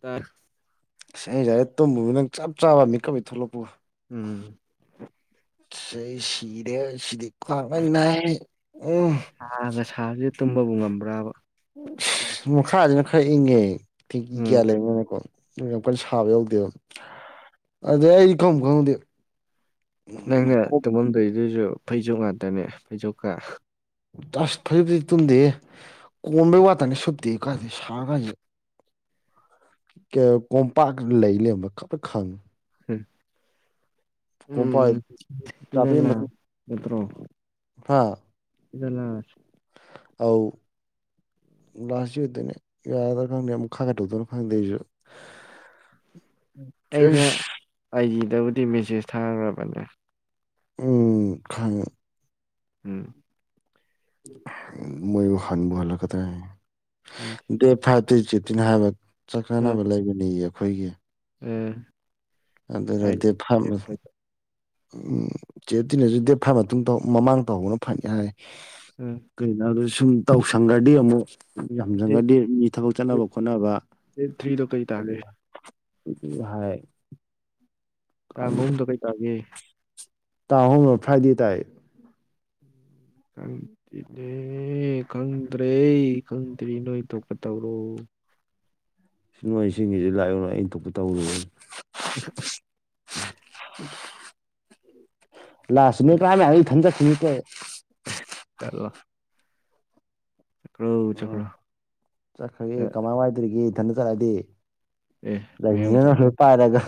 ꯇ ꯁꯁꯔꯦ ꯇꯣꯕꯨ ꯅꯪ ꯆꯞ ꯆꯥꯕ ꯃꯤꯀꯞ ꯊꯣꯛꯂꯛꯄ ꯎꯝ ꯁꯤ ꯁꯤꯔꯦ ꯁꯤꯗꯤ ꯈ ꯅ ꯁꯥꯒ ꯁꯥꯕꯁꯦ ꯇꯨꯝꯕꯕꯨ ꯉꯝꯕ꯭ꯔꯕ ꯃ ꯈꯥꯅ ꯈꯥꯏ ꯏꯉꯦ ꯊ ꯎꯝ ꯀ ꯂꯩꯦ ꯃꯅꯦꯀꯣ ꯌꯥꯝ ꯀꯟꯅ ꯁꯥꯕ ꯌꯥꯎꯗꯦꯕ ꯑꯗꯩ ꯑꯩ ꯈꯪ ꯈꯪꯧꯗꯦ ꯅꯪꯅ ꯇꯨꯝꯃꯝꯗꯣꯏꯗꯨꯁꯨ ꯐꯩꯖꯣ ꯉꯥꯛꯇꯅꯦ ꯐꯩꯖꯣꯀ ꯑꯁ ꯐꯖꯤꯛ ꯐꯗꯤꯛ ꯇꯨꯝꯗꯦ ꯀꯣꯟꯝꯕꯩ ꯋꯥꯇꯗꯤ ꯁꯇꯦ ꯀꯥꯟꯗ ꯁꯥꯔ ꯀꯥꯟꯁꯤꯦ ꯀꯣꯝꯄꯥꯛ ꯂꯩ ꯂꯩꯕ ꯈ ꯈꯪꯉ ꯎꯝ ꯀꯣꯝꯄꯥꯛ ꯎꯝ ꯏꯂ ꯃꯣ ꯍꯥꯥ ꯏꯂ ꯑꯧ ꯂꯥꯁꯗꯣꯏꯅꯦ ꯌꯥ ꯐꯪꯛ ꯈ ꯇꯗꯅ ꯐꯪꯁꯨ [inaudible] ꯀ ꯗꯕꯨꯗꯤ ꯃꯦꯁꯦꯖ ꯊꯥꯈ꯭ꯔꯕꯅꯦ ꯎꯝ ꯈꯪ ꯎꯝ ꯃꯣꯏꯕꯨ ꯍꯥꯟꯕꯨꯜꯂ ꯀ ꯎꯝ ꯗꯦꯠ ꯐꯥꯏ ꯆ ꯇꯤꯟꯍꯕ ꯎꯝ ꯆꯠꯅꯥꯟꯅꯕ ꯂꯩꯕꯅꯤ ꯑꯩꯈꯣꯏꯒꯤ ꯎꯝ ꯍꯥꯏꯗꯤ ꯑꯗꯨꯔꯗꯤ ꯐꯥꯝ ꯎꯝ ꯆꯦ ꯇꯤꯟꯅꯁꯨ ꯗꯦꯠ ꯐꯥꯏꯐ ꯃꯇꯨꯡ ꯇꯧ ꯃꯃꯥꯡ ꯇꯧꯕꯅ ꯐꯅꯤ ꯍꯥꯏꯔ ꯎꯝ ꯀꯩꯅꯣꯗ ꯁꯨꯝ ꯇꯧꯁꯪꯒꯗꯤ ꯑꯃꯨꯛ ꯗꯦꯠ ꯌꯥꯝꯖꯪꯉꯗꯤ ꯃꯤ ꯊꯕꯛ ꯆꯠꯅꯕ ꯈꯣꯠꯅꯕ ꯗꯦꯠ ꯊ꯭ꯔꯤꯗꯣ ꯀꯩ ꯇꯥꯒꯦ ꯍ ꯇꯥꯡ ꯑꯍꯨꯝꯗ ꯀꯩ ꯇꯥꯒꯦ ꯇꯥꯍꯣꯣ ꯐ꯭ꯔꯥꯏꯗꯦ ꯇꯥꯏ ꯎꯝ ꯀꯪꯇ꯭ꯔꯤꯅꯦ ꯈꯪꯗ꯭ꯔꯦ ꯀꯪꯗ꯭ꯔꯤ ꯅꯣꯏ ꯊꯣꯛꯣꯛꯀ ꯇꯧꯔꯣ ꯁꯤ ꯅꯣꯏ ꯁꯤꯡꯁꯤ ꯂꯥꯛꯏꯑꯣꯅ ꯑꯩꯅ ꯊꯣꯛꯄ ꯇꯧꯔꯨ [inaudible] ꯂ ꯁꯃꯤꯅꯥꯃꯤ ꯍꯥꯏ ꯊꯟꯖꯃꯤꯠꯇꯦ ꯆꯠꯂꯣ ꯆꯠꯈ꯭ꯔꯣ ꯎꯝ ꯆꯠꯈ꯭ꯔꯣ ꯆꯠꯈ꯭ꯔꯒꯦ ꯀꯃꯥꯏ ꯋꯥꯏꯗꯣꯔꯤꯒꯦ ꯏꯊꯗ ꯆꯠꯂꯗꯤ ꯑꯦ ꯃꯌꯥꯝ ꯆꯠ ꯂꯁꯤꯖꯅꯣꯏ [unintelligible] ꯄꯥꯏꯔꯒ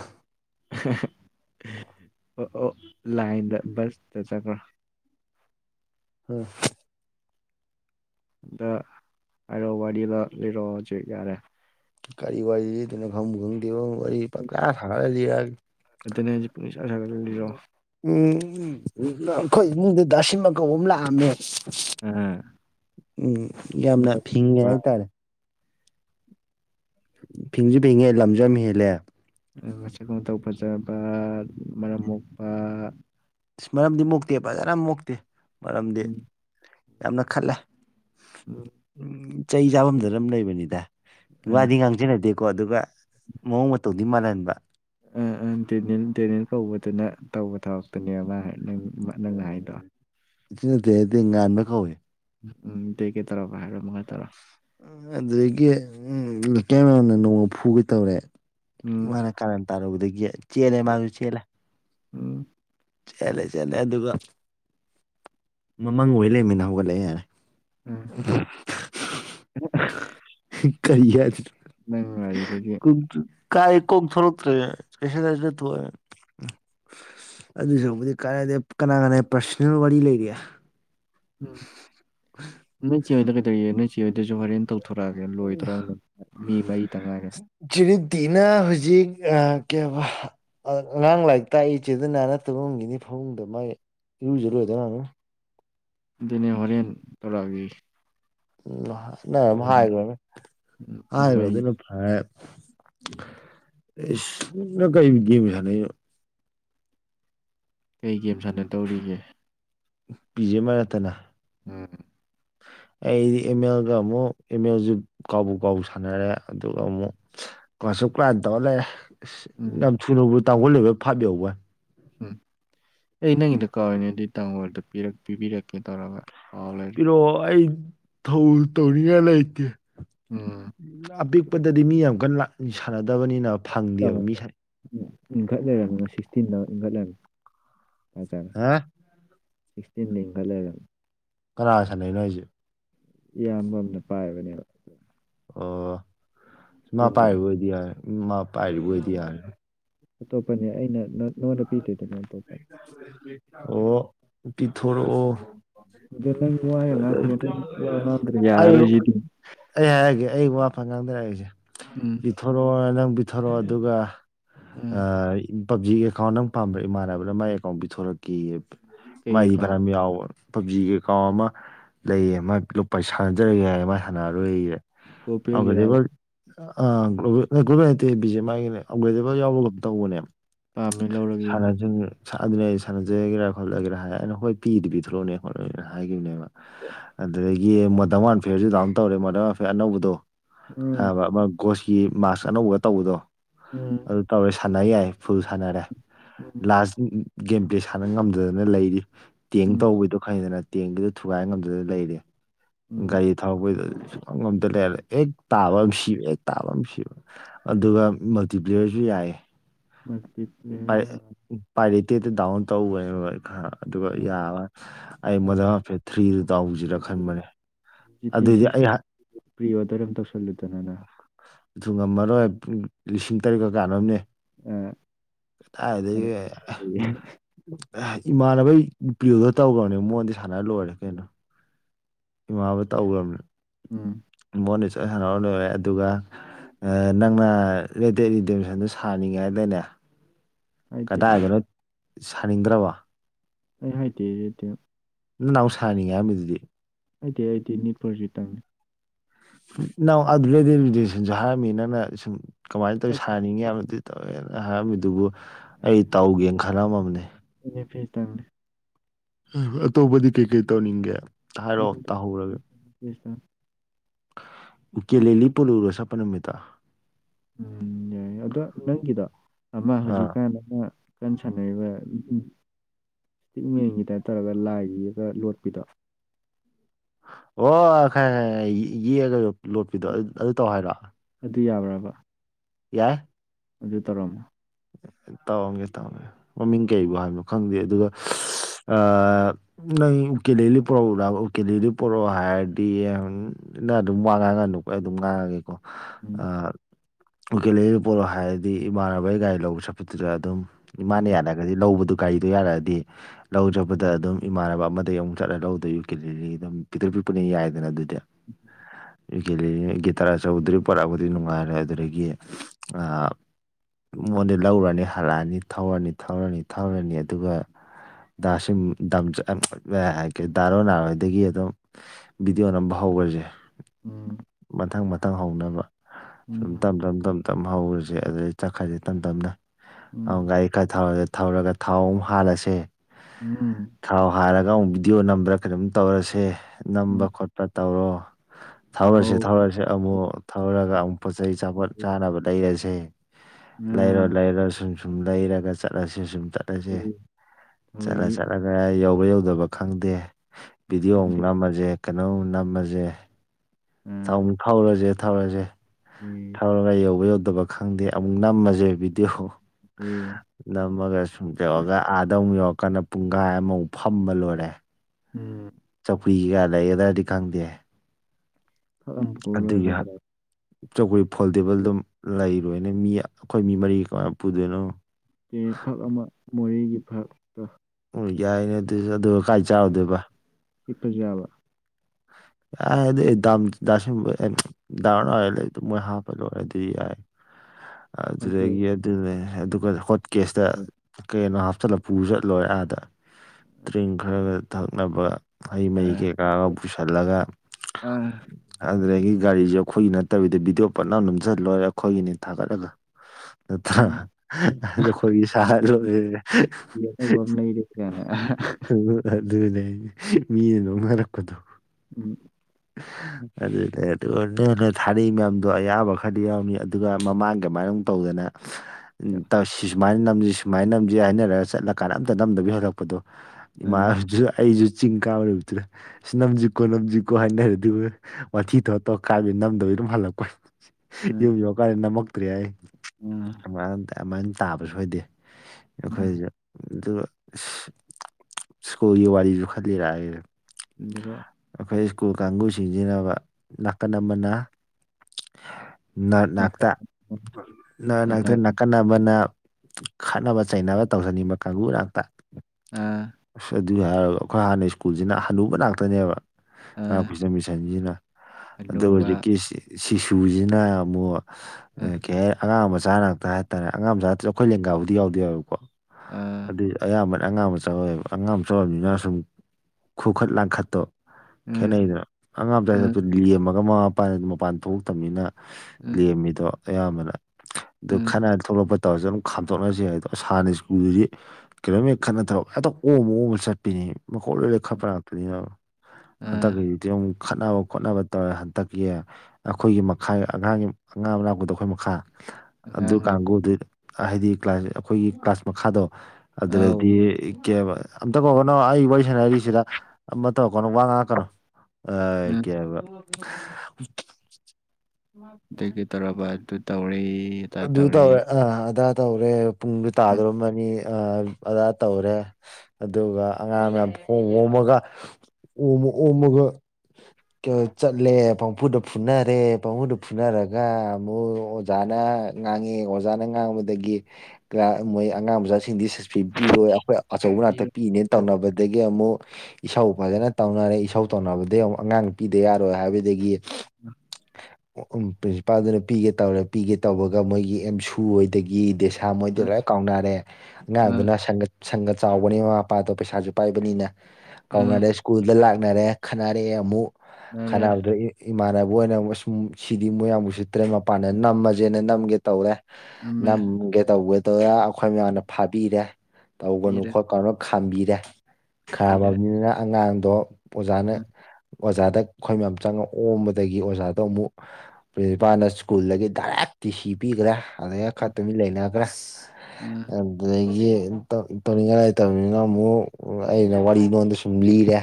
ꯑꯣ ꯑꯣ ꯂꯥꯏꯟꯗ ꯕꯁꯇ ꯆꯠꯈ꯭ꯔꯣ ꯍꯝ ꯑꯗ ꯍꯥꯏꯔꯣꯑꯣ ꯋꯥꯔꯤꯗ ꯂꯤꯔꯛꯑꯣ ꯍꯧꯖꯤꯛ ꯌꯥꯔꯦ ꯀꯥꯔꯤ ꯋꯥꯔꯤ ꯂꯤꯗ‌ꯣꯏꯅꯣ ꯈꯪꯕ‌ꯨ ꯈꯪꯗ‌ꯦ [unintelligible] ꯑꯗꯨꯗꯅ‌ꯦ ꯍꯥꯏ ꯄꯨꯒꯔꯣ ꯎꯝ ꯑꯩꯈꯣꯏ ꯏꯃꯨꯡꯗꯨꯗ ꯑꯁꯤꯕ ꯀꯧꯕ ꯑꯃ ꯂꯥꯛꯑꯝꯅꯦ ꯑꯥ ꯎꯝ ꯌꯥꯝ ꯃꯁꯛ ꯌꯥꯝꯅ ꯃꯇꯧ ꯐꯖꯕ ꯐꯤꯉꯦꯇꯥꯔ ꯐꯤꯡꯁꯨ ꯐꯤꯡꯉꯦ ꯂꯝꯖꯝ ꯍꯦꯜꯂꯦ ꯃꯁꯛ ꯃꯇꯧ ꯐꯖꯕ ꯃꯔꯝ ꯃꯣꯛꯄ ꯏꯁ ꯃꯔꯝꯗꯤ ꯃꯣꯛꯛꯇꯦ ꯐꯖꯅ ꯃꯣꯛꯇꯦ ꯃꯔꯝꯗꯤ ꯎꯝ ꯌꯥꯝꯅ ꯈꯜꯂꯦ ꯎꯝ ꯎꯝ ꯆꯩ ꯆꯥꯐꯝꯗꯅꯝ ꯂꯩꯕꯅꯤꯗ ꯑꯥ ꯉꯗꯤ ꯉꯥꯡꯖꯟꯅꯗꯦꯀꯣ ꯑꯗꯨꯒ ꯃꯑꯣꯡ ꯇꯧꯗꯤ ꯃꯥꯂꯦꯝꯂꯦꯟꯕꯥ ꯇꯨ ꯑꯥ ꯑꯥ ꯗꯦꯅꯤꯜ ꯀꯧꯕꯗꯨꯅ ꯇꯧꯕ ꯊꯧꯔꯛꯛꯇꯅꯦ ꯑꯃ ꯁꯤ ꯅꯠꯇꯦꯗꯤ ꯉꯥꯟꯕ ꯀꯧꯏꯦ ꯎꯝ ꯎꯝ ꯇ ꯀꯦꯛꯀꯦ ꯇꯧꯔꯥ ꯍꯥꯏꯔꯣ ꯃꯉꯥ ꯇꯔꯣ ꯎꯝ ꯑꯗꯨꯗꯒꯤ ꯎꯝ ꯀꯌꯥꯝꯅ ꯅꯣꯡꯃ ꯐꯨꯒ ꯇꯧꯔꯦ ꯎꯝ ꯃꯥꯅ ꯀꯥꯟꯅ ꯇꯥꯔꯨꯗꯨ ꯆꯦꯂ ꯎꯝ ꯃꯥꯔ ꯆꯦꯂ ꯎꯝ ꯆꯦꯜꯂꯦ ꯆꯦꯜꯠꯂꯦ ꯑꯗꯨꯒ ꯃꯃꯥꯡ ꯑꯣꯏ ꯂꯩꯃꯦꯅ ꯍꯧꯒꯠꯂꯛꯑꯦ ꯌꯥꯔꯦ ꯎꯝ ꯎꯝ ꯀꯔꯤ ꯍꯥꯏꯗ‌ꯣꯏꯅ‌ꯣ ꯀꯥꯏ ꯀꯣꯛ ꯊ‌ꯣꯔꯛ [unintelligible] ꯑꯗꯨꯁꯨꯕꯨꯗꯤ ꯀꯥꯟꯗ ꯀꯅꯥ ꯀꯅꯥ ꯄ꯭ꯔꯔꯁꯅꯦꯜ ꯋꯥꯔꯤ ꯂꯩꯔꯤ ꯎꯝ ꯅ‌ꯣꯏꯆ‌ꯦ ꯑꯣꯏꯗ ꯀꯩ ꯇꯔꯤ ꯅꯆ ꯑꯣꯏꯁꯨ ꯋꯥꯔꯤꯔ ꯇꯧ ꯊꯣꯔꯛꯑꯒꯦ ꯂꯣꯏꯗꯣꯔꯕꯅꯤ ꯃꯤ ꯃꯔꯤ ꯇꯪꯉꯥꯏꯒꯦ ꯇꯅ ꯍꯧꯖꯤꯛ ꯀꯦꯕ ꯑꯉꯥꯡ ꯂꯥꯏꯔꯤꯛ ꯇꯥꯛꯏ ꯏꯆꯦꯗꯅꯥ ꯅꯠꯇꯕ ꯉꯝꯒꯤꯅꯤ ꯐꯃꯨꯡꯗ ꯃꯥꯏ ꯏꯔꯨꯖꯔꯣꯏꯗꯕ ꯉꯅꯨ ꯑꯗꯨꯅꯦ ꯍꯣꯔꯦꯟ ꯇꯧꯔꯛꯑꯒꯤ ꯎꯝ ꯅꯪ ꯑꯗꯨꯝ ꯍꯥꯏꯈ꯭ꯔꯣꯅꯦ ꯄꯨꯡ ꯍꯥꯏꯈ꯭ꯔꯣ ꯃꯔꯤ ꯑꯗꯨꯅ ꯐꯔ‌ꯦ ꯑꯩꯁ ꯅꯪ ꯀꯩ ꯒꯦꯝ ꯍꯥꯏꯅ ꯀꯩ ꯒꯦꯝ ꯁꯥꯟꯅ ꯇꯧꯔꯤꯒꯦ ꯄꯤꯖꯃ ꯅꯠꯇꯅ ꯎꯝ ꯑꯩꯗꯤ ꯑꯦꯝ ꯑꯦꯜꯒ ꯑꯃꯨꯛ ꯑꯦꯝ ꯑꯦꯜꯁꯨ ꯀꯥꯎꯕ ꯀꯥꯎ ꯁꯥꯟꯅꯔꯦ ꯑꯗꯨꯒ ꯑꯃꯨꯛ ꯀ ꯁ ꯀꯥꯏꯅ ꯇꯧꯔ ꯂꯩꯑ‌ꯦ ꯎꯝ ꯌꯥꯝ ꯊꯨꯅꯕꯨ ꯇꯥꯡꯈꯨꯜ ꯂꯩꯕ ꯐꯥꯕ ꯌꯎꯧꯕ ꯎꯝ ꯑꯩ ꯅꯪꯒꯤꯗ ꯀꯥꯎꯔꯤꯅꯦꯗꯤ ꯇꯥꯡꯒꯣꯜꯗ ꯄꯤꯕꯤꯔꯛꯀꯦ ꯇꯧꯔꯒ ꯀꯥꯎ ꯂꯩꯔꯦ ꯄꯤꯔꯣꯑꯣ ꯑꯩ ꯊꯧ ꯇꯧꯅꯤꯡꯉꯥꯏ ꯂꯩꯇꯦ ꯎꯝ ꯄꯤꯔꯛ ꯑꯄꯤꯛꯄꯗꯗꯤ ꯃꯤ ꯌꯥꯝ ꯀꯟꯅ ꯁꯥꯟꯅꯗ ꯐꯠꯇꯕꯅꯤꯅ ꯐꯪꯗꯦꯕ ꯇꯥꯃꯣ ꯃꯤꯁꯥꯏꯦ ꯎꯝ ꯏꯟꯈꯠ ꯂꯩꯅꯤꯅ ꯁꯤꯛꯁꯇꯤꯟꯗ ꯏꯟꯈꯠꯂꯒꯖ ꯍꯥ ꯁꯤꯛꯁꯇꯤꯟ ꯌꯦꯡ ꯀꯂꯒꯅꯤ ꯀꯅꯥꯒ ꯁꯥꯟꯅꯩꯩꯅꯣ ꯍꯥꯏꯁꯦ ꯏꯌꯥꯝꯕ ꯑꯃꯅ ꯄꯥꯏꯕꯅꯦꯕ ꯑꯣ ꯃꯥ ꯇꯤꯟꯗꯩ ꯄꯥꯏꯔꯤꯕ ꯑꯣꯏꯗꯤ ꯌꯥꯔꯦ ꯃꯥ ꯄꯥꯏꯔꯤꯕ ꯑꯣꯏꯗꯤ ꯌꯥꯔꯦ ꯑꯇꯣꯞꯄꯅꯦ ꯑꯩꯅ ꯅ ꯅꯉꯣꯟꯗ ꯄꯤꯗꯣꯏꯗꯅ ꯑꯇꯣꯞꯄ ꯑꯣ ꯄꯤꯊꯣꯔ ꯑꯣ ꯅꯪ ꯋꯥꯒ ꯉ꯭ꯔꯦ ꯅꯪ ꯉꯇ꯭ꯔꯦ ꯌꯥꯔꯣꯏ ꯏꯗꯤ ꯍꯥꯏꯒꯦ ꯑꯩ ꯋꯥꯐꯝ ꯉꯥꯡꯗꯔꯛꯏꯁꯦ ꯎꯝ ꯄꯤꯊꯣꯔꯛꯑꯣ ꯅꯪ ꯄꯤꯊꯣꯔꯛꯑꯣ ꯑꯗꯨꯒ ꯎꯝ ꯄꯕꯖꯤ ꯑꯦꯀꯥꯎꯟ ꯅꯪ ꯄꯥꯝꯕ꯭ꯔ ꯏꯃꯥꯟꯅꯕꯗ ꯃꯥꯏ ꯑꯦꯀꯥꯎꯟ ꯄꯤꯊꯣꯔꯛꯀ ꯀꯩ ꯃꯥꯏꯗꯤ ꯑꯦꯀꯥꯎꯟ ꯐꯔ ꯌꯥꯎꯕ ꯄꯞꯖꯤ ꯀꯩꯀꯥꯎ ꯑꯃ ꯂꯩꯌꯦ ꯃꯥꯥꯏ ꯂꯨꯄꯥ ꯁꯥꯟꯅꯖꯔꯒꯦ ꯍꯥꯏ ꯃꯥꯏ ꯁꯥꯟꯅꯔꯣꯏꯦ ꯣꯄꯂꯒꯤꯔꯕ ꯑ ꯀꯣꯏꯕ ꯅꯠꯇꯦ ꯕꯤ ꯖꯦ ꯃꯥꯏꯒꯤꯅꯦꯒꯦꯗꯦꯕ ꯌꯥꯎꯕꯒ ꯇꯧꯕꯅꯦꯕ ꯄꯥꯝꯃꯦ ꯂꯧꯔꯒ ꯁ ꯑꯗꯨꯅꯦ ꯑꯩ ꯁꯥꯟꯅꯖꯒꯦꯔꯥ ꯈꯣꯠꯂꯒꯦꯔ ꯍꯥꯏ ꯑꯅ ꯍꯣꯏ ꯄꯤꯗꯤ ꯄꯤꯊꯂꯑꯣꯅꯦ ꯈꯣꯠꯂꯣꯅꯦꯅ ꯍꯥꯏꯈꯤꯕꯅꯦꯕ ꯑꯗꯨꯗꯒꯤ ꯃꯗꯋꯥꯟ ꯐꯦꯔꯁꯨꯗꯥꯎꯝ ꯇꯧꯔꯦ ꯃꯣꯗꯋꯥꯟ ꯐꯦꯔ ꯑꯅꯧꯕꯗꯣ ꯎꯝ ꯑꯃ ꯒꯣꯁꯀꯤ ꯃꯥꯁ ꯑꯅꯧꯕꯒ ꯇꯧꯕꯗꯣ ꯎꯝ ꯑꯗꯨ ꯇꯧꯔꯦ ꯁꯥꯟꯅ ꯌꯥꯏ ꯐꯨꯜ ꯁꯥꯟꯅꯔꯦ ꯂꯥꯁ ꯒꯦꯝ ꯄ꯭ꯂꯦ ꯁꯥꯟꯅ ꯉꯝꯗꯗꯅ ꯂꯩꯔꯤ ꯇꯦꯡ ꯎꯝ ꯇꯧꯕꯒꯤꯗꯣ ꯈꯪꯗꯅ ꯇꯦꯡꯒꯤꯗꯨꯗꯤ ꯊꯨꯒꯥꯏ ꯉꯝꯗꯅ ꯂꯩꯔꯦ ꯎꯝ ꯒꯥꯔꯤ ꯊꯧꯔꯛꯄꯩꯗ ꯁꯨꯪ ꯑꯝꯇ ꯂꯩꯔꯦ ꯑꯦꯛ ꯇꯥꯕ ꯑꯃ ꯁꯤꯕ ꯑꯦꯛ ꯇꯥꯕ ꯑꯃ ꯁꯤꯕ ꯑꯗꯨꯒ ꯃꯜꯇꯤꯄ꯭ꯂꯦꯌꯔꯁꯨ ꯌꯥꯏ ꯌꯥꯏꯌꯦ ꯃꯔꯄꯤꯠꯇꯦ ꯦ ꯗꯥꯎ ꯇꯥꯎꯎ ꯑꯣꯏ ꯈꯔ ꯑꯗꯨꯒ ꯌꯥꯔ ꯑꯩ ꯃꯗ ꯍꯥꯐꯦꯠ ꯊ꯭ꯔꯤꯗ ꯇꯧꯁꯤꯔꯥ ꯈꯟꯕꯅꯦ ꯑꯗꯨꯏꯗꯤ ꯖꯤꯇꯁ ꯑꯩ ꯄ꯭ꯔꯤꯑꯣꯗꯔ ꯑꯃ ꯇꯧꯁꯜꯂꯨꯗꯅꯅ ꯑꯗꯨ ꯉꯝꯃꯔꯣꯏ ꯄꯨꯡ ꯂꯤꯁꯤꯡ ꯇꯔꯦꯠꯀ ꯀꯥꯟꯅꯕꯅꯦ ꯗ ꯁꯥꯟꯅ ꯑꯦ ꯏꯃꯥꯟꯅꯕꯩ ꯅꯨꯄꯤ꯭ꯔꯤꯌꯣꯗ ꯇꯧꯈ꯭ꯔꯕꯅꯦ ꯃꯉꯣꯟꯗꯤ ꯁꯥꯟꯅꯔ ꯂꯣꯏꯔꯦ ꯀꯩꯅꯣ ꯏꯃꯥꯕꯨ ꯇꯧꯈ꯭ꯔꯕꯅꯤ ꯎꯝ ꯃꯣꯟꯗꯁꯨ ꯁꯥꯟꯅꯔ ꯂꯣꯏꯔꯦ ꯑꯗꯨꯒ ꯅꯪꯅ ꯔꯇꯦꯁꯟꯗ ꯁꯥꯅꯤꯡꯉꯥꯏꯗꯅꯦ ꯑꯥꯏ ꯇ ꯁꯥꯅꯤꯡꯗ꯭ꯔꯕ ꯑꯩ ꯍꯥꯏꯗꯤꯦꯗꯤ ꯅ ꯅꯍꯎ ꯁꯥꯅꯤꯡꯉ ꯃꯤꯗꯨꯗꯤ ꯑꯩꯗꯤ ꯑꯩꯗꯤ ꯅꯤꯄꯔꯁꯨꯇꯪꯅꯤ ꯅꯪ ꯑꯗꯨꯗꯩꯗꯤꯗꯤ ꯁꯨꯝꯁꯨ ꯍꯥꯏꯔꯝꯃꯤ ꯅꯪꯅ ꯁꯨꯝ ꯀꯃꯥꯏꯅ ꯇꯧꯋꯤ ꯁꯥꯅꯤꯡꯉꯦ ꯍꯥꯏꯕ ꯇꯧꯋꯦꯅ ꯍꯥꯏꯔꯝꯃꯤꯗꯨꯕꯨ ꯑꯩ ꯇꯧꯒꯦꯅ ꯈꯜꯂꯝꯃꯕꯅꯦ ꯇꯥꯡ ꯑꯇꯣꯞꯄꯗꯤ ꯀꯩꯀꯩ ꯇꯧꯅꯤꯡꯒꯦ ꯍꯥꯏꯔꯛꯑꯣ ꯇꯥꯍꯧꯔꯒꯦ ꯎꯀꯦꯂꯤ ꯂꯤꯄ ꯂꯔꯁꯄꯅꯃꯤꯗ ꯎꯝ ꯌꯥꯏ ꯑꯗꯣ ꯅꯪꯒꯤꯗꯣ ꯑꯃ ꯑꯥ ꯍꯧꯖꯤꯛꯀꯥꯟ ꯑꯃ [unintelligible] ꯇꯛ ꯌꯦꯦꯟꯈꯤꯗ ꯍꯥꯏ ꯇꯔꯒ ꯂꯥꯏꯒꯤꯒ ꯂꯣꯠꯄꯤꯗꯣ ꯑꯣ ꯈꯔ ꯈꯔ ꯌꯦꯛꯒ ꯂꯣꯠꯄꯤꯗꯣ ꯑꯗꯨ ꯇꯧ ꯍꯥꯏꯔꯛꯑꯣ ꯑꯗꯨꯨ ꯌꯥꯕ꯭ꯔꯕ ꯌꯥ ꯑꯗꯨ ꯇꯧꯔꯝꯃꯦ ꯇꯧꯔꯝꯒꯦ ꯇꯧꯔꯝꯒꯦ ꯃꯃꯤꯡ ꯀꯩꯕꯨ ꯍꯥꯏꯅꯣ ꯈꯪꯗꯦ ꯑꯗꯨꯒ ꯑ ꯅ ꯎꯀꯂ ꯂ ꯄꯔꯣꯗ ꯎꯀꯤꯂ ꯂ ꯄꯔꯣ ꯍꯥꯏꯔꯗꯤ ꯍ ꯅ ꯑꯗꯨꯝ ꯋꯥꯉꯥꯡꯉ ꯅꯨ ꯑꯩ ꯑꯗꯨꯝ ꯉꯥꯡꯉꯒꯦꯀꯣ ꯎꯝ ꯎꯀꯤꯜꯂꯗꯨ ꯄꯣꯂꯣ ꯍꯥꯏꯔꯗꯤ ꯏꯃꯥꯟꯅꯕꯒꯤ ꯒꯥꯔꯤ ꯂꯧꯕ ꯆꯠꯄꯗꯨꯗ ꯑꯗꯨꯝ ꯏꯃꯥꯅ ꯎꯝ ꯌꯥꯔꯒꯗꯤ ꯂꯧꯕꯗꯨ ꯒꯥꯔꯤꯗꯣ ꯌꯥꯔꯛꯑꯗꯤ ꯂꯧꯖꯕꯗ ꯑꯗꯨꯝ ꯏꯃꯥꯟꯅꯕ ꯑꯃꯗꯒꯤꯩ ꯑꯃꯨꯛ ꯆꯠꯂ ꯂꯧꯗꯣꯏ ꯌꯨ ꯀꯤꯜꯂꯤꯅꯤ ꯑꯗꯨꯝ ꯄꯤꯛꯇꯛ ꯄꯤꯛꯄꯅꯤ ꯌꯥꯏꯗꯅ ꯑꯗꯨꯗꯤ ꯎꯝ ꯉꯦ ꯒꯤꯇꯥꯔ ꯆꯧꯗ꯭ꯔꯤ ꯄꯔꯛꯑꯕꯨꯗꯤ ꯅꯨꯡꯉꯥꯏꯔꯦ ꯑꯗꯨꯗꯒꯤ [inaudible] ꯃꯉꯣꯟꯗ ꯂꯧꯔꯅꯤ ꯍꯜꯂꯛꯑꯅꯤ ꯊꯧꯔꯅꯤ ꯊꯧꯔꯅꯤ ꯊꯧꯔꯅꯤ ꯑꯗꯨꯒ ꯗꯥꯔꯣꯟ ꯅꯥꯔꯗꯒꯤ ꯑꯗꯨꯝ ꯕꯤꯗꯤꯑꯣꯣꯟ ꯑꯃ ꯍꯧꯕꯁꯦ ꯎꯝ ꯃꯊꯪ ꯃꯊꯪ ꯍꯧꯅꯕ ꯁꯨꯝ ꯎꯝ ꯇꯝ ꯇꯝ ꯇ ꯇ ꯍꯧꯔꯁꯦ ꯑꯗꯨꯗꯒꯤ ꯆꯠꯈ꯭ꯔꯁꯦ ꯇꯝ ꯇꯞꯅ ꯎꯝ ꯒꯥꯔꯤ ꯈꯔ ꯊꯥꯔꯒ ꯊꯧꯔꯒ ꯊꯥꯎ ꯑꯃꯨꯛ ꯍꯥꯜꯂꯁꯦ ꯎꯝ ꯑꯒꯥꯎ ꯕꯤꯗꯤꯑꯣ ꯅꯝꯕ꯭ꯔꯥ ꯀꯩꯅꯣꯝ ꯇꯧꯔꯁꯦ ꯐꯛ ꯅꯝꯕ ꯈꯣꯠꯄ [inaudible] ꯊꯧꯔꯁꯤ ꯊꯧꯔꯁꯤ ꯑꯃꯨꯛ ꯊꯧꯔꯒ ꯑꯃꯨꯛ ꯄꯣꯠ ꯆꯩ ꯑꯆꯥꯄꯣꯠ ꯆꯥꯅꯕ ꯂꯩꯔꯁꯦ ꯎꯝ ꯂꯩꯔꯣ ꯂꯩꯔꯣ ꯁꯨꯝ ꯁꯨꯝ ꯂꯩꯔꯒ ꯆꯠꯂꯁꯤ ꯁꯨꯝ ꯆꯠꯂꯁꯤ ꯆꯠꯂ ꯆꯠꯂꯒ ꯌꯧꯕ ꯌꯧꯗꯕ ꯈꯪꯗꯦ ꯚꯤꯗꯤꯑꯣ ꯑꯃꯨꯛ ꯅꯝꯃꯁꯦ ꯀꯩꯅꯣ ꯃꯨꯛ ꯊꯝꯃꯁꯦ ꯊꯧꯔꯁꯦ ꯊꯧꯔꯁꯦ ꯊꯧꯔꯒ ꯌꯧꯕ ꯌꯧꯗꯕ ꯈꯪꯗꯦ ꯑꯃꯨꯛ ꯅꯝꯃꯁꯦ ꯚꯤꯗꯤꯑꯣ ꯎꯝ ꯅꯝꯃꯒ ꯁꯨꯝ ꯌꯧꯔꯒ ꯑꯥꯗ ꯑꯃꯨꯛ ꯌꯧꯔꯀꯥꯟꯗ ꯄꯨꯡꯈꯥꯏ ꯑꯃꯃꯨꯛ ꯐꯝꯕ ꯂꯣꯏꯔꯦ ꯆꯧꯀ꯭ꯔꯤ ꯀꯌꯥ ꯂꯩꯒꯗ꯭ꯔꯥꯗꯤ ꯈꯪꯗꯦ ꯑꯃ ꯄꯨ ꯑꯗꯨꯒꯤ ꯂꯣꯏꯒꯗ꯭ꯔꯥ ꯆꯧꯀꯔ꯭ꯤ ꯐꯣꯜꯗꯦꯕꯜꯗꯣ ꯂꯩꯔꯣꯏꯅꯦ ꯃꯤ ꯑꯩꯈꯣꯏ ꯃꯤ ꯃꯔꯤ ꯀꯃꯥꯏꯅ ꯄꯨꯗꯣꯏꯅꯣ ꯇꯦ ꯐꯛ ꯑꯃ ꯃꯣꯔꯦꯒꯤ ꯐꯥꯛꯇ ꯌꯥꯏꯅꯦ ꯑꯗꯨꯁꯨ ꯑꯗꯣ ꯍꯤꯞꯄꯁꯨ ꯌꯥꯕ [inaudible] [unintelligible] [inaudible] ꯑꯗꯨꯗꯒꯤ ꯑꯗꯨꯅꯦ ꯑꯗꯨꯒ ꯍꯣꯠ ꯀꯦꯁꯇ ꯀꯩꯅꯣ ꯍꯥꯞ ꯆꯠꯂ ꯄꯨ ꯆꯠꯂ ꯂꯣꯏꯔꯦ ꯑꯥꯗ ꯗꯔ꯭ꯤꯡ ꯈꯔꯒ ꯊꯛꯅꯕ ꯍꯩ ꯃꯩ ꯀꯩ ꯀꯥꯒ ꯄꯨꯁꯤꯜꯂꯒ ꯑꯗꯨꯗꯒꯤ ꯒꯥꯔꯤꯁꯦ ꯑꯩꯈꯣꯏꯒꯤ ꯅꯠꯇꯕꯤꯗ ꯚꯤꯗꯤꯑꯣ ꯄꯠꯅꯝ ꯅꯝꯁꯤꯜꯂ ꯂꯣꯏꯔꯦ ꯑꯩꯈꯣꯏꯒꯤꯅꯤ ꯊꯥꯒꯠꯂꯒ ꯑꯗ ꯈꯣꯏꯒꯤ ꯁꯥꯔ ꯂꯣꯏꯔꯦ ꯑꯅꯧꯕ ꯑꯃ ꯂꯩꯔꯦ ꯀꯥꯏꯅ ꯑꯗꯨꯅꯦ ꯃꯤꯅ ꯅꯣꯛꯅꯔꯛꯄꯗꯣ ꯎꯝ ꯑꯗꯨꯗ ꯑꯗꯨ ꯅꯪꯅ ꯊꯥꯔꯛꯏ ꯃꯌꯥꯝꯗꯣ ꯑꯌꯥꯝꯕ ꯈꯔꯗꯤ ꯌꯥꯎꯅꯤ ꯑꯗꯨꯒ ꯃꯃꯥꯡꯒꯤ ꯑꯃꯥꯏꯅ ꯇꯧꯗꯅ ꯁꯤ ꯁꯨꯃꯥꯏꯅ ꯅꯝꯁꯤ ꯁꯨꯃꯥꯏꯅ ꯅꯝꯁꯤ ꯍꯥꯏꯅꯔꯒ ꯆꯠꯂꯀꯥꯟꯗ ꯑꯝꯇ ꯅꯝꯗꯕꯤ ꯍꯦꯜꯂꯛꯄꯗꯣ ꯎꯝ ꯏꯃꯥꯁꯨ ꯑꯩꯁꯨ ꯆꯤꯡ ꯀꯥꯕ ꯂꯩ ꯎꯗ꯭ꯔꯦ ꯁꯤ ꯅꯝꯖꯤꯀꯣ ꯅꯝꯖꯤꯀꯣ ꯀꯣ ꯍꯥꯏꯅꯔꯗꯤꯕꯨ ꯃꯊꯤ ꯊꯣꯛꯣꯑꯇꯣ ꯀꯥꯏꯕ ꯅꯝꯗꯕꯩ ꯑꯗꯨꯝ ꯍꯜꯂꯛꯄ ꯎꯝ ꯌꯨꯝ ꯌꯧꯔ ꯀꯥꯟꯗ ꯅꯝꯃꯛꯇ꯭꯭ꯔꯦ ꯍꯥꯏꯔꯤ ꯎꯝ ꯑꯗꯨꯃꯥꯏꯅ ꯇꯥꯕꯁꯨ ꯁꯣꯏꯗꯦ ꯑꯩꯈꯣꯏꯖꯦ ꯑꯗꯨ ꯁ꯭ꯀꯨꯜꯒꯤ ꯋꯥꯔꯤꯁꯨ ꯈ ꯂꯤꯔꯛꯑꯒꯦ ꯂꯤꯔꯛꯑꯣ ꯁꯀꯨꯜ ꯀꯥꯡꯕꯨ ꯁꯤꯡꯖꯤꯅꯕ ꯅꯥꯀꯟ ꯑꯃꯅ ꯅꯠ ꯅꯥꯀꯟ ꯉꯛꯇ ꯅꯅꯥꯠ ꯑꯅꯧꯕ ꯉꯛꯇ ꯅꯥꯀꯟꯅꯕꯅ ꯈꯠꯅꯕ ꯆꯩꯅꯕ ꯇꯧꯖꯅꯤꯡꯕ ꯀꯥꯡꯕꯨ ꯅꯥꯛꯇ ꯑꯗꯨꯒꯤ ꯍꯥꯏꯔꯒ ꯑꯩꯈꯣꯏ ꯍꯥꯟꯅ ꯁ꯭ꯀꯨꯜꯁꯤꯅ ꯍꯟꯅꯨꯕ ꯉꯥꯛꯇꯅꯦꯕ ꯔꯥꯝ ꯀ꯭ꯔꯤꯁꯅ ꯃꯤꯁꯟꯁꯤꯅ ꯑꯗ ꯍꯧꯖꯤꯛꯀꯤ ꯁꯤꯁꯨꯁꯤꯅ ꯑꯃꯨꯛ ꯀꯩ ꯍꯥꯏ ꯑꯉꯥꯡ ꯃꯆꯥ ꯉꯥꯛꯛꯇ ꯍꯥꯏꯇꯥꯔꯦ ꯑꯉꯥꯡ ꯃꯆꯥ ꯅꯥꯠꯇꯔꯥꯁꯨ ꯑꯩꯈꯣꯏ ꯂꯦꯡꯒꯥꯕꯨꯗꯤ ꯌꯥꯎꯗꯤ ꯌꯥꯎꯋꯦꯕꯀꯣ ꯑꯗꯨ ꯑꯌꯥꯝꯕꯅ ꯑꯉꯥꯡ ꯑꯃ ꯆ ꯆꯥꯎꯔꯑꯦꯕ ꯑꯉꯥꯡ ꯆꯥꯎꯔꯕꯅꯤꯅ ꯁꯨꯝ ꯈꯨꯈꯠ ꯂꯥꯡꯈꯠꯇꯣ ꯈꯦꯠꯅꯩꯗꯅ ꯑꯉꯥꯡ ꯃꯆꯥꯒꯤ ꯇꯥꯏꯞꯇꯥ ꯂꯦꯝꯃꯒ ꯃꯃꯥ ꯃꯄꯥ ꯑꯗꯨꯝ ꯃꯄꯥꯟ ꯊꯣꯛꯂꯛꯇꯕꯅꯤꯅ ꯂꯦꯝꯃꯤꯗꯣ ꯑꯌꯥꯝꯕꯅ ꯑꯗꯨ ꯈꯅꯥꯗ ꯊꯣꯛꯂꯛꯄ ꯇꯧꯔꯁ ꯑꯗꯨꯝ ꯈꯥꯝꯗꯣꯛꯅꯁꯦ ꯍꯥꯏꯗꯣ ꯁꯥꯥꯟꯅ ꯁ꯭ꯀꯨꯜꯗꯨꯗꯤ ꯀꯩꯅꯂꯣꯃꯤ ꯈꯠ ꯅꯠꯇꯕ ꯍꯦꯛꯇ ꯑꯣꯣꯝꯝꯕ ꯑꯣꯝꯝꯕ ꯆꯠꯄꯤꯅꯤ ꯃꯈꯣꯛ ꯂꯣꯏꯔ ꯈꯞꯄ ꯉꯥꯛꯇꯅꯤꯅ ꯍꯟꯗꯛꯀꯤ ꯑꯃꯨꯛ ꯈꯠꯅꯕ ꯈꯣꯠꯅꯕ ꯇꯧꯔꯦ ꯍꯟꯗꯛꯀꯤ ꯑꯩꯈꯣꯏꯒꯤ ꯃꯈꯥ ꯑꯉꯥꯡꯒꯤ ꯑꯉꯥꯡꯕ ꯑꯃ ꯂꯥꯛꯄꯨꯗꯣ ꯑꯩꯈꯣꯏꯒꯤ ꯃꯈꯥ ꯑꯗꯨ ꯑꯉꯥꯡ ꯂꯥꯛꯄ ꯀꯥꯡꯕꯨꯗꯨ ꯍꯥꯏꯗꯤ ꯀ꯭ꯂꯥꯁ ꯑꯩꯈꯣꯏꯒꯤ ꯀ꯭ꯂꯥꯁ ꯃꯈꯥꯗꯣ ꯑꯧ ꯑꯗ꯭ꯔꯗꯤ ꯑꯣꯀꯦ ꯚ ꯑꯝꯇ ꯀꯧꯒꯅꯣ ꯑꯩ ꯋꯥꯔꯤ ꯁꯥꯟꯅꯔꯤꯁꯤꯗ ꯑꯃ ꯇꯧꯔꯛꯀꯅꯣ ꯋꯥ ꯉꯥꯡꯛꯀꯅꯨ ꯑ ꯎꯝ ꯀꯕ ꯑꯗꯨꯗꯒꯤ ꯇꯧꯔꯕ ꯑꯗꯨ ꯇꯧꯔꯤ ꯑꯗꯥ ꯑꯗꯨ ꯇꯧꯔꯤ ꯇꯧꯔꯦ ꯑꯥ ꯑꯗꯥ ꯇꯧꯔꯦ ꯄꯨꯡꯗꯨ ꯎꯝ ꯇꯥꯗꯧꯔꯝꯃꯅꯤ ꯑꯗꯥ ꯇꯧꯔꯦ ꯑꯗꯨꯒ ꯑꯉꯥꯡ ꯃꯌꯥꯝ ꯍꯣꯝ ꯍꯣꯝꯃꯒ ꯎ ꯑꯣꯡ ꯑꯃꯒ ꯆꯠꯂꯦ ꯄꯝꯐꯨꯗ ꯐꯨꯅꯔꯦ ꯄꯝꯐꯨꯗ ꯐꯨꯅꯔꯒ ꯑꯃꯨꯛ ꯑꯣꯖꯥꯅꯤ ꯉꯥꯡꯉꯤ ꯑꯣꯖꯥꯅ ꯉꯥꯡꯕꯗꯒꯤ ꯃꯣꯏ ꯑꯉꯥꯡ ꯃꯆꯥꯁꯤꯡꯗꯤ ꯄꯤ ꯄꯤꯔꯣꯏ ꯑꯩꯈꯣꯏ ꯑꯆꯧꯕ ꯉꯅꯥꯛꯇ ꯄꯤꯔꯣ ꯄꯤꯅꯦꯅ ꯆꯧ ꯇꯧꯅꯕꯗꯒꯤ ꯑꯃꯨꯛ ꯏꯁꯧ ꯐꯖꯅ ꯇꯧꯅꯔꯦ ꯏꯁꯧ ꯇꯧꯅꯕꯗꯒꯤꯩ ꯑꯃꯨꯛ ꯑꯉꯥꯡ ꯄꯤꯗ ꯌꯥꯔꯣꯏ ꯍꯥꯏꯕꯗꯒꯤ ꯎꯝ ꯄ꯭ꯔꯤꯟꯁꯤꯄꯥꯜꯗꯨꯅ ꯄꯤꯒꯦ ꯇꯧꯔꯦ ꯄꯤꯒꯦ ꯇꯧꯕꯒ ꯃꯣꯏꯒꯤ ꯑꯦꯝ ꯁꯗꯒꯤ ꯄꯩꯁꯥ ꯃꯣꯏꯗꯤ ꯑ ꯂꯣꯏ ꯀꯥꯎꯅꯔꯦ ꯑ ꯑꯉꯥꯡꯗꯨꯅꯪꯒ ꯁꯪꯒ ꯆꯥꯎꯕꯅꯤ ꯃꯃꯥ ꯃꯄꯥꯗꯣ ꯄꯩꯁꯥꯁꯨ ꯄꯥꯏꯕꯅꯤꯅ ꯑ ꯀꯧꯅꯔꯦ ꯁ꯭ꯀꯨꯜꯗ ꯂꯥꯛꯅꯔꯦ ꯈꯅꯔꯛꯑꯦ ꯑꯃꯨꯛ ꯂꯩꯔꯦ ꯈꯅꯕꯗ ꯏꯃꯥꯟꯅꯕ ꯃꯣꯏꯅ ꯑꯃ ꯁꯤꯗꯤ ꯃꯣꯏ ꯌꯥꯝꯕꯨ ꯁꯤꯠꯇ꯭ꯔꯦ ꯃꯄꯥꯟꯗ ꯅꯝꯃꯁꯦꯅ ꯅꯝꯒꯦ ꯇꯧꯔꯦ ꯅꯝꯃꯦ ꯅꯝꯒꯦ ꯇꯧꯒꯦ ꯇꯧ ꯑꯩꯈꯣꯏ ꯃꯌꯥꯝꯅ ꯐꯥꯕꯤꯔꯦ ꯇꯧꯒꯅꯨ ꯄꯤꯔꯦ ꯈꯣꯠꯀꯅꯨ ꯊꯝꯕꯤꯔꯦ ꯊꯝꯕꯤꯔꯦ ꯈꯔꯃꯕꯅꯤꯅꯤꯅ ꯑꯉꯥꯡꯗꯣ ꯑꯣꯖꯥꯅ ꯑ ꯑꯣꯖꯥꯗ ꯑꯩꯈꯣꯏ ꯃꯌꯥꯝ ꯆꯪꯉꯛ ꯑꯣꯝꯕꯗꯒꯤ ꯑꯣꯖꯥꯗ ꯑꯃꯨꯛ ꯄ꯭ꯔꯤꯟꯁꯤꯄꯥꯜꯅ ꯁ꯭ꯀꯨꯜꯗꯒꯤ ꯗꯥꯏꯔꯦꯛ ꯇꯤꯊꯤ ꯄꯤꯈ꯭ꯔꯦ ꯑꯗꯒꯤ ꯑ ꯈꯛꯇꯃꯤ ꯂꯩꯅꯈ꯭ꯔꯦ ꯑ ꯑꯗꯨꯗꯒꯤ ꯇꯧꯅꯤꯡꯉꯥꯏꯇꯧꯕꯅꯤꯅ ꯑꯃꯨꯛ ꯑꯩꯅ ꯋꯥꯔꯤ ꯂꯣꯟꯗ ꯁꯨꯝ ꯂꯤꯔꯦ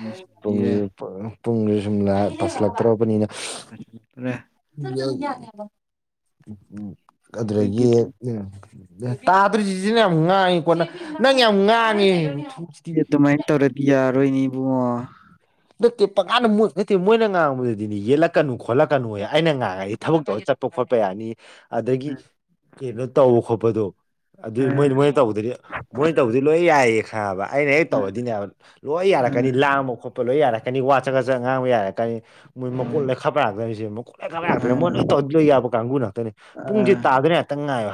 ꯅꯤꯁꯤꯡꯕꯤꯔꯦ ꯄꯨꯡꯁꯤ ꯄꯨꯡꯁꯤ ꯁꯨꯝ ꯐꯁꯂꯛꯇꯧꯛꯄꯅꯤꯅ ꯑ ꯐꯔꯦ ꯎ ꯑꯗꯒꯤ ꯑꯗꯨꯗꯒꯤ ꯇꯥꯗ꯭ꯔꯤꯁꯤꯁꯤꯅ ꯌꯥꯝ ꯉꯥꯡꯉꯤꯀꯣꯅ ꯅꯪ ꯌꯥꯝ ꯉꯥꯡꯉꯤ ꯁꯤ ꯑꯗꯨꯃꯥꯏꯅ ꯇꯧꯔꯗꯤ ꯌꯥꯔꯣꯏꯅꯤ ꯏꯕꯨꯡꯉꯣ ꯅꯠꯇꯦ ꯄꯪꯀꯥꯟꯗ ꯃꯨꯠ ꯅꯠꯇꯦ ꯃꯣꯏꯅ ꯉꯥꯡꯕꯗꯨꯗꯗꯤꯅꯤ ꯌꯦꯠꯂꯛꯀꯅꯨ ꯈꯣꯠꯂꯛꯀꯅꯨ ꯍꯥꯏ ꯑꯩꯅ ꯉꯥꯡꯉꯒꯗꯤ ꯑꯩ ꯊꯕꯛꯇ ꯇꯧꯔ ꯆꯠꯄ ꯈꯣꯠꯄ ꯌꯥꯅꯤ ꯑꯗꯒꯤ ꯀꯩꯅꯣ ꯇꯧꯕ ꯈꯣꯠꯄꯗꯣ ꯑꯗꯨꯏ ꯃꯣꯏ ꯑ ꯃꯣꯏꯅ ꯇꯧꯕꯗꯗꯤ ꯃꯣꯏꯅ ꯇꯧꯕꯗꯤ ꯂꯣꯏ ꯌꯥꯏꯌꯦ ꯈꯥꯉꯕ ꯑꯩꯅ ꯍꯦꯛ ꯇꯧꯔꯗꯤꯅꯦꯕ ꯂꯣꯏ ꯑ ꯌꯥꯔꯛꯀꯅꯤ ꯂꯥꯡꯕ ꯈꯣꯠꯄ ꯂꯣꯏ ꯌꯥꯔꯛꯀꯅꯤ ꯋꯥ ꯆꯪꯒ ꯆꯠ ꯉꯥꯡꯕ ꯌꯥꯔꯛꯀꯅꯤ ꯃꯣꯏ ꯃꯀꯣꯠ ꯂꯩꯦꯛ ꯑ ꯈꯥꯕ ꯌꯥꯥꯛꯇꯣꯏꯅꯤꯁꯦ ꯃꯈꯀꯣꯠ ꯂꯩꯦ ꯈꯥꯄ ꯌꯥꯥꯛꯇ꯭ꯔꯅꯤ ꯃꯣꯏ ꯂꯣꯏ ꯇꯧꯣꯏ ꯌꯥꯕ ꯀꯥꯡꯕꯨ ꯉꯥꯛꯇꯅꯤ ꯑ ꯄꯨꯡꯁꯦ ꯑ ꯇ ꯑꯗꯨꯕꯅꯦꯇꯪ ꯉꯥꯏꯦ